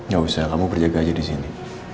gak usah kamu berjaga aja di sini